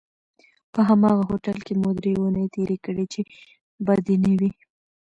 په هماغه هوټل کې مو درې اونۍ تېرې کړې چې بدې نه وې.